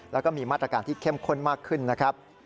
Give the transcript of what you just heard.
แล้วก็มีมาตรการที่เข้มข้นมากขึ้นนะครับ